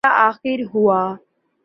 بالآخر ہوا۔